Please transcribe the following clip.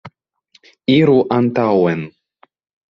Iru antaŭen.